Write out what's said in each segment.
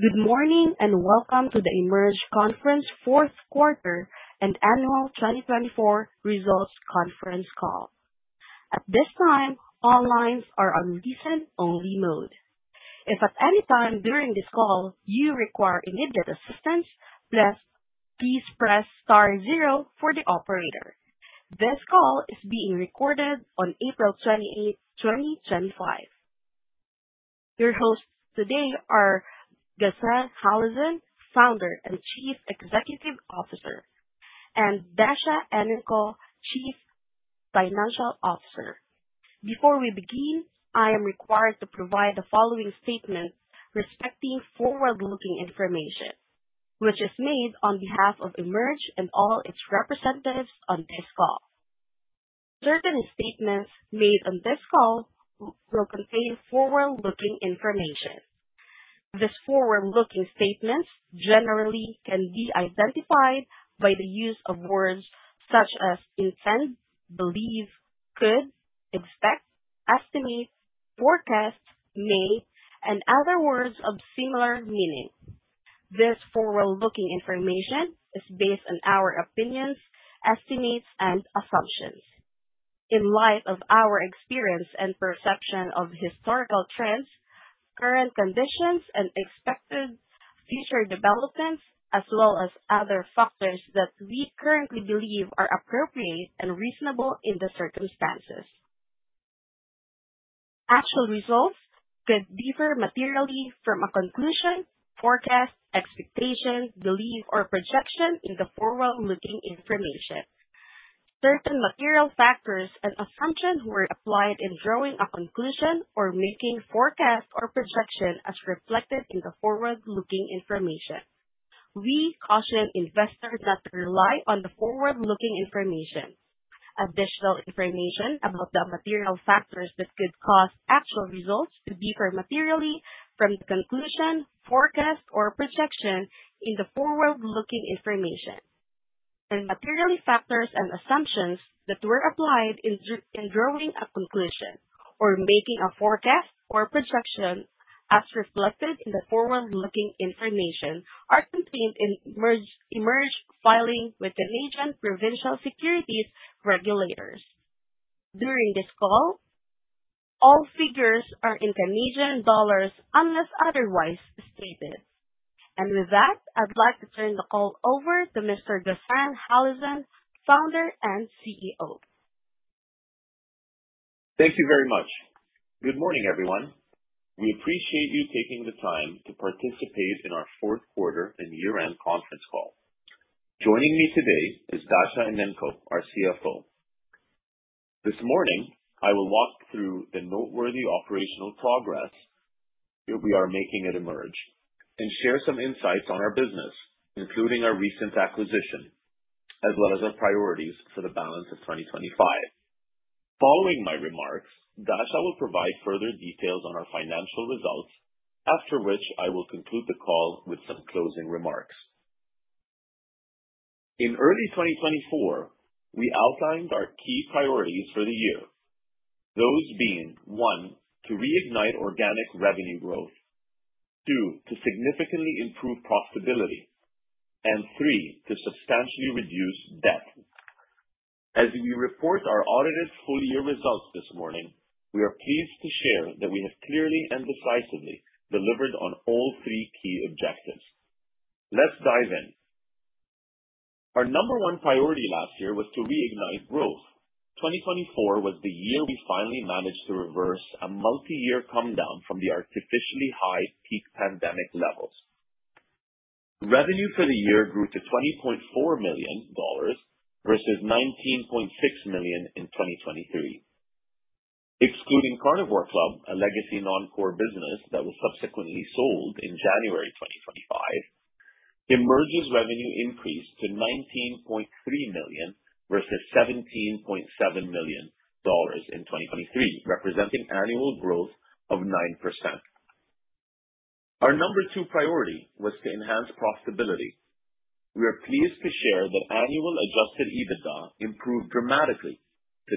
Good morning and welcome to the EMERGE conference fourth quarter and annual 2024 results conference call. At this time, all lines are on listen-only mode. If at any time during this call you require immediate assistance, please press star zero for the operator. This call is being recorded on April 28, 2025. Your hosts today are Ghassan Halazon, Founder and Chief Executive Officer, and Dasha Enenko, Chief Financial Officer. Before we begin, I am required to provide the following statements respecting forward-looking information, which is made on behalf of EMERGE and all its representatives on this call. Certain statements made on this call will contain forward-looking information. These forward-looking statements generally can be identified by the use of words such as intend, believe, could, expect, estimate, forecast, may, and other words of similar meaning. This forward-looking information is based on our opinions, estimates, and assumptions, in light of our experience and perception of historical trends, current conditions, and expected future developments, as well as other factors that we currently believe are appropriate and reasonable in the circumstances. Actual results could differ materially from a conclusion, forecast, expectation, belief, or projection in the forward-looking information. Certain material factors and assumptions were applied in drawing a conclusion or making forecasts or projections as reflected in the forward-looking information. We caution investors not to rely on the forward-looking information. Additional information about the material factors that could cause actual results to differ materially from the conclusion, forecast, or projection in the forward-looking information is contained in EMERGE filing with Canadian Provincial Securities Regulators. During this call, all figures are in Canadian dollars unless otherwise stated. With that, I'd like to turn the call over to Mr. Ghassan Halazon, Founder and CEO. Thank you very much. Good morning, everyone. We appreciate you taking the time to participate in our fourth quarter and year-end conference call. Joining me today is Dasha Enenko, our CFO. This morning, I will walk through the noteworthy operational progress we are making at EMERGE and share some insights on our business, including our recent acquisition, as well as our priorities for the balance of 2025. Following my remarks, Dasha will provide further details on our financial results, after which I will conclude the call with some closing remarks. In early 2024, we outlined our key priorities for the year, those being, one, to reignite organic revenue growth; two, to significantly improve profitability; and three, to substantially reduce debt. As we report our audited full-year results this morning, we are pleased to share that we have clearly and decisively delivered on all three key objectives. Let's dive in. Our number one priority last year was to reignite growth. 2024 was the year we finally managed to reverse a multi-year comedown from the artificially high peak pandemic levels. Revenue for the year grew to 20.4 million dollars versus 19.6 million in 2023. Excluding Carnivore Club, a legacy non-core business that was subsequently sold in January 2025, EMERGE's revenue increased to 19.3 million versus 17.7 million dollars in 2023, representing annual growth of 9%. Our number two priority was to enhance profitability. We are pleased to share that annual adjusted EBITDA improved dramatically to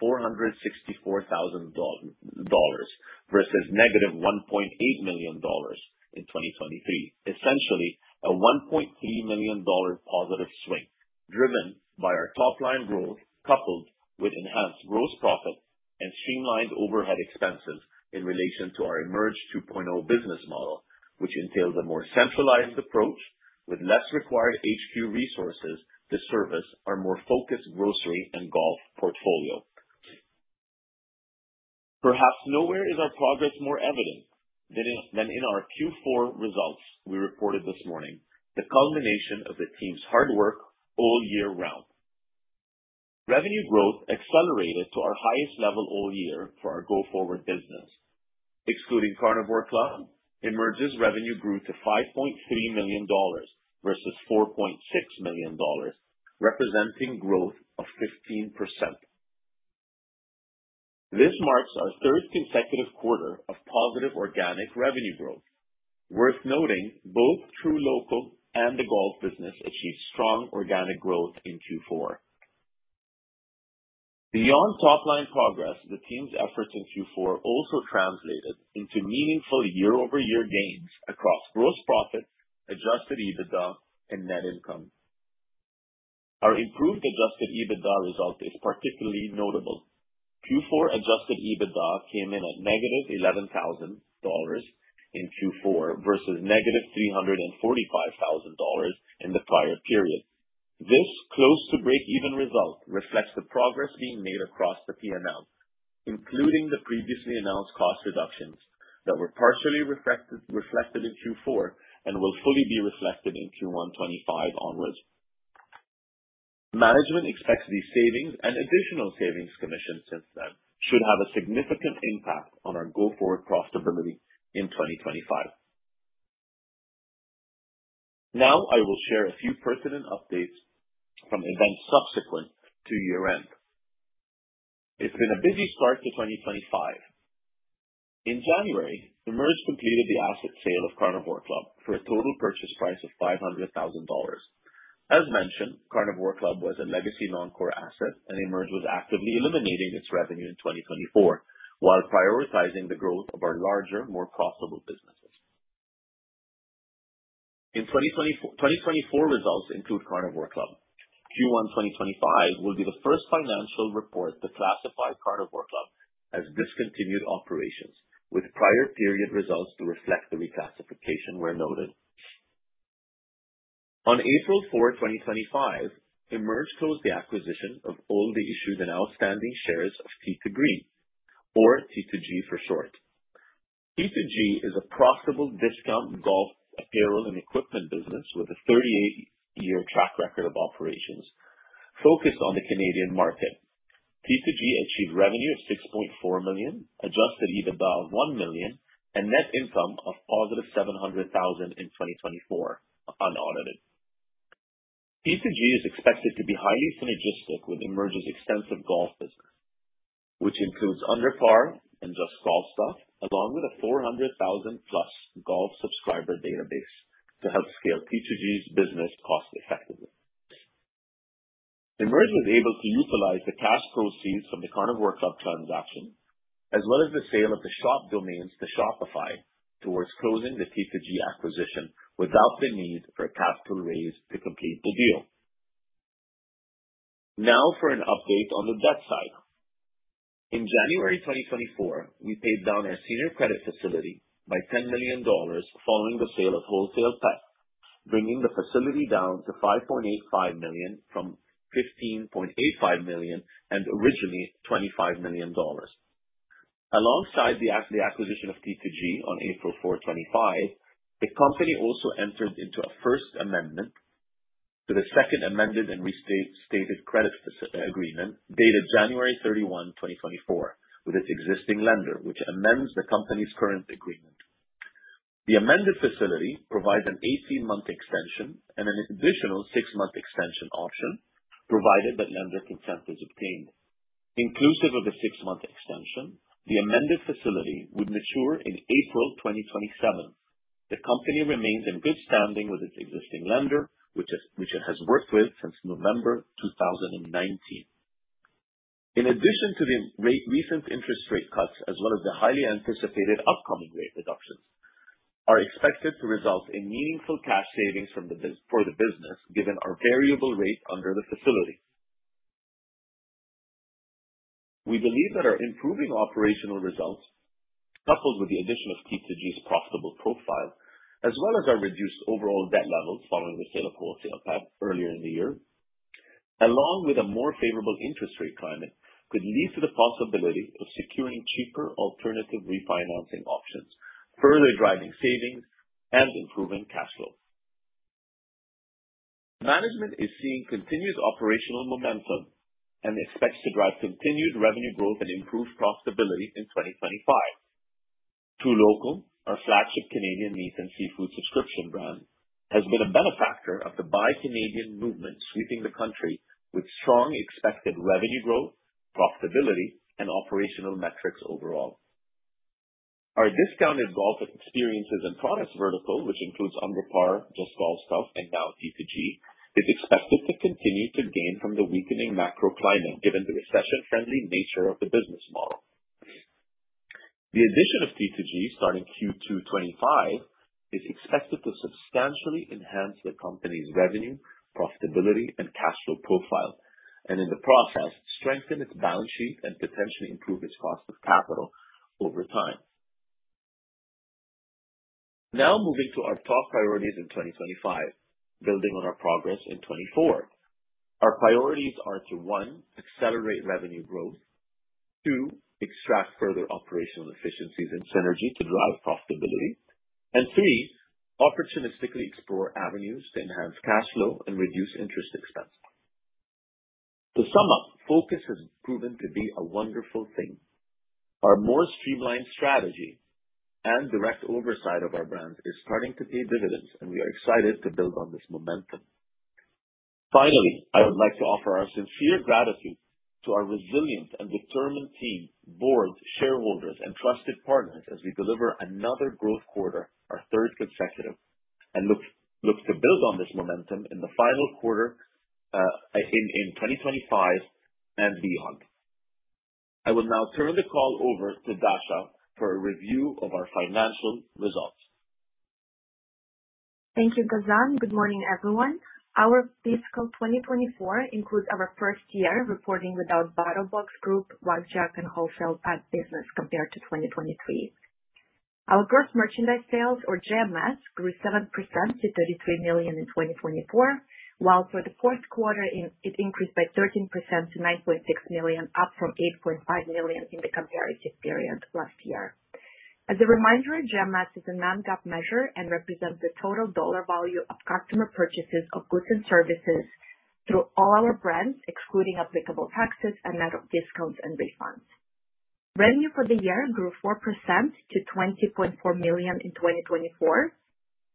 -464,000 dollars versus -1.8 million dollars in 2023, essentially a 1.3 million dollar positive swing driven by our top-line growth coupled with enhanced gross profit and streamlined overhead expenses in relation to our EMERGE 2.0 business model, which entails a more centralized approach with less required HQ resources to service our more focused grocery and golf portfolio. Perhaps nowhere is our progress more evident than in our Q4 results we reported this morning, the culmination of the team's hard work all year round. Revenue growth accelerated to our highest level all year for our go-forward business. Excluding Carnivore Club, EMERGE's revenue grew to 5.3 million dollars versus 4.6 million dollars, representing growth of 15%. This marks our third consecutive quarter of positive organic revenue growth. Worth noting, both truLOCAL and the golf business achieved strong organic growth in Q4. Beyond top-line progress, the team's efforts in Q4 also translated into meaningful year-over-year gains across gross profit, adjusted EBITDA, and net income. Our improved adjusted EBITDA result is particularly notable. Q4 adjusted EBITDA came in at -11,000 dollars in Q4 versus -345,000 dollars in the prior period. This close-to-break-even result reflects the progress being made across the P&L, including the previously announced cost reductions that were partially reflected in Q4 and will fully be reflected in Q1 2025 onwards. Management expects these savings and additional savings commissions since then should have a significant impact on our go-forward profitability in 2025. Now, I will share a few pertinent updates from events subsequent to year-end. It's been a busy start to 2025. In January, EMERGE completed the asset sale of Carnivore Club for a total purchase price of 500,000 dollars. As mentioned, Carnivore Club was a legacy non-core asset, and EMERGE was actively eliminating its revenue in 2024 while prioritizing the growth of our larger, more profitable businesses. In 2024, results include Carnivore Club. Q1 2025 will be the first financial report to classify Carnivore Club as discontinued operations, with prior period results to reflect the reclassification where noted. On April 4, 2025, EMERGE closed the acquisition of all the issued and outstanding shares of T2Green, or T2G for short. T2G is a profitable discount golf apparel and equipment business with a 38-year track record of operations focused on the Canadian market. T2G achieved revenue of CAD 6.4 million, adjusted EBITDA of CAD 1 million, and net income of +700,000 in 2024, unaudited. T2G is expected to be highly synergistic with EMERGE's extensive golf business, which includes UnderPar and Just Golf Stuff, along with a 400,000+ golf subscriber database to help scale T2G's business cost-effectively. EMERGE was able to utilize the cash proceeds from the Carnivore Club transaction, as well as the sale of the shop domains to Shopify, towards closing the T2G acquisition without the need for a capital raise to complete the deal. Now for an update on the debt side. In January 2024, we paid down our senior credit facility by 10 million dollars following the sale of WholesalePet, bringing the facility down to 5.85 million from 15.85 million and originally 25 million dollars. Alongside the acquisition of T2G on April 4, 2025, the company also entered into a First Amendment to the Second Amended and Restated Credit Agreement dated January 31, 2024, with its existing lender, which amends the company's current agreement. The amended facility provides an 18-month extension and an additional 6-month extension option, provided that lender consent is obtained. Inclusive of the 6-month extension, the amended facility would mature in April 2027. The company remains in good standing with its existing lender, which it has worked with since November 2019. In addition to the recent interest rate cuts, as well as the highly anticipated upcoming rate reductions, are expected to result in meaningful cash savings for the business, given our variable rate under the facility. We believe that our improving operational results, coupled with the addition of T2G's profitable profile, as well as our reduced overall debt levels following the sale of WholesalePet earlier in the year, along with a more favorable interest rate climate, could lead to the possibility of securing cheaper alternative refinancing options, further driving savings and improving cash flow. Management is seeing continued operational momentum and expects to drive continued revenue growth and improved profitability in 2025. truLocal, our flagship Canadian meat and seafood subscription brand, has been a benefactor of the Buy Canadian movement, sweeping the country with strong expected revenue growth, profitability, and operational metrics overall. Our discounted golf experiences and products vertical, which includes UnderPar, Just Golf Stuff, and now T2G, is expected to continue to gain from the weakening macroclimate given the recession-friendly nature of the business model. The addition of T2G starting Q2 2025 is expected to substantially enhance the company's revenue, profitability, and cash flow profile, and in the process, strengthen its balance sheet and potentially improve its cost of capital over time. Now moving to our top priorities in 2025, building on our progress in 2024. Our priorities are to, one, accelerate revenue growth; two, extract further operational efficiencies and synergy to drive profitability; and three, opportunistically explore avenues to enhance cash flow and reduce interest expense. To sum up, focus has proven to be a wonderful thing. Our more streamlined strategy and direct oversight of our brands is starting to pay dividends, and we are excited to build on this momentum. Finally, I would like to offer our sincere gratitude to our resilient and determined team, boards, shareholders, and trusted partners as we deliver another growth quarter, our third consecutive, and look to build on this momentum in the final quarter in 2025 and beyond. I will now turn the call over to Dasha for a review of our financial results. Thank you, Ghassan. Good morning, everyone. Our fiscal 2024 includes our first year reporting without BattlBox Group, WagJag, and WholesalePet business compared to 2023. Our gross merchandise sales, or GMS, grew 7% to 33 million in 2024, while for the fourth quarter, it increased by 13% to 9.6 million, up from 8.5 million in the comparative period last year. As a reminder, GMS is a non-GAAP measure and represents the total dollar value of customer purchases of goods and services through all our brands, excluding applicable taxes and net discounts and refunds. Revenue for the year grew 4% to 20.4 million in 2024,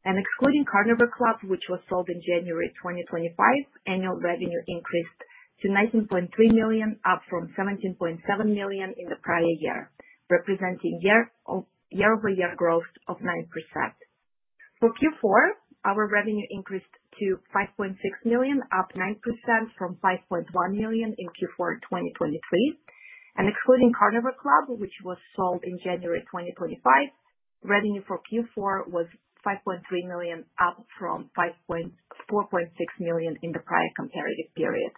and excluding Carnivore Club, which was sold in January 2025, annual revenue increased to 19.3 million, up from 17.7 million in the prior year, representing year-over-year growth of 9%. For Q4, our revenue increased to 5.6 million, up 9% from 5.1 million in Q4 2023, and excluding Carnivore Club, which was sold in January 2025, revenue for Q4 was 5.3 million, up from 4.6 million in the prior comparative period,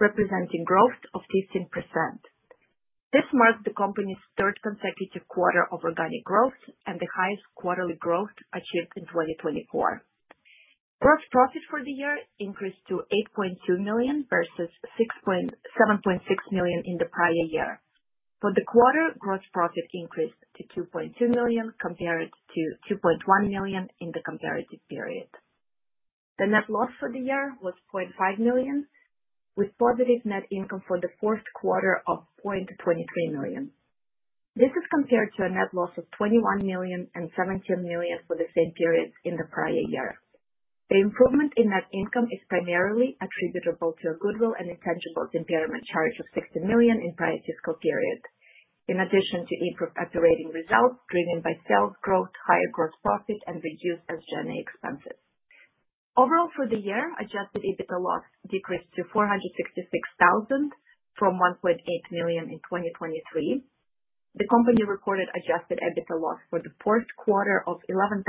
representing growth of 15%. This marks the company's third consecutive quarter of organic growth and the highest quarterly growth achieved in 2024. Gross profit for the year increased to 8.2 million versus 7.6 million in the prior year. For the quarter, gross profit increased to 2.2 million compared to 2.1 million in the comparative period. The net loss for the year was 0.5 million, with positive net income for the fourth quarter of 0.23 million. This is compared to a net loss of 21 million and 17 million for the same period in the prior year. The improvement in net income is primarily attributable to a goodwill and intangibles impairment charge of 60 million in the prior fiscal period, in addition to improved operating results driven by sales growth, higher gross profit, and reduced SG&A expenses. Overall, for the year, adjusted EBITDA loss decreased to 466,000 from 1.8 million in 2023. The company reported adjusted EBITDA loss for the fourth quarter of 11,000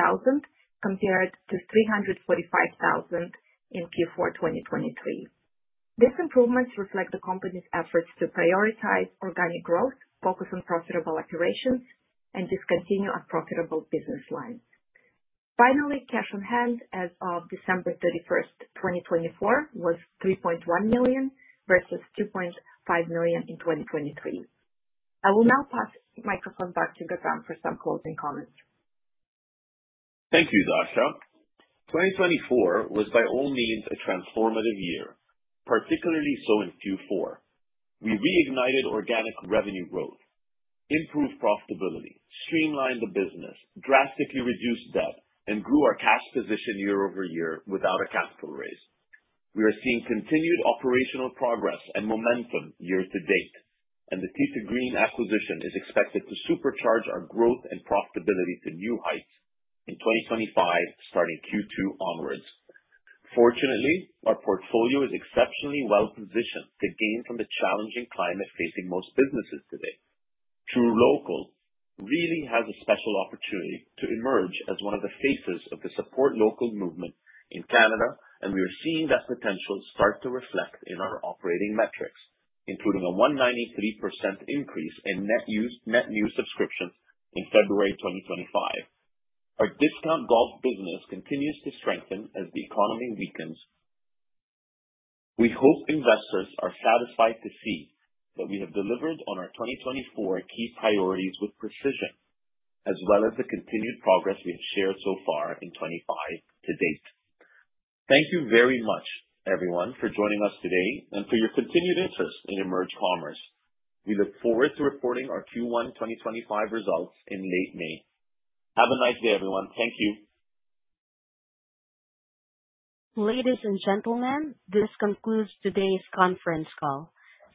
compared to 345,000 in Q4 2023. These improvements reflect the company's efforts to prioritize organic growth, focus on profitable operations, and discontinue unprofitable business lines. Finally, cash on hand as of December 31, 2024, was 3.1 million versus 2.5 million in 2023. I will now pass the microphone back to Ghassan for some closing comments. Thank you, Dasha. 2024 was by all means a transformative year, particularly so in Q4. We reignited organic revenue growth, improved profitability, streamlined the business, drastically reduced debt, and grew our cash position year-over-year without a capital raise. We are seeing continued operational progress and momentum year-to-date, and the T2Green acquisition is expected to supercharge our growth and profitability to new heights in 2025, starting Q2 onwards. Fortunately, our portfolio is exceptionally well-positioned to gain from the challenging climate facing most businesses today. truLOCAL really has a special opportunity to emerge as one of the faces of the support local movement in Canada, and we are seeing that potential start to reflect in our operating metrics, including a 193% increase in net new subscriptions in February 2025. Our discount golf business continues to strengthen as the economy weakens. We hope investors are satisfied to see that we have delivered on our 2024 key priorities with precision, as well as the continued progress we have shared so far in 2025 to date. Thank you very much, everyone, for joining us today and for your continued interest in EMERGE Commerce. We look forward to reporting our Q1-2025 results in late May. Have a nice day, everyone. Thank you. Ladies and gentlemen, this concludes today's conference call.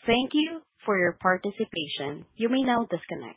Thank you for your participation. You may now disconnect.